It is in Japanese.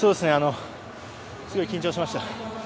すごい緊張しました。